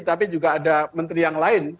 tapi juga ada menteri yang lain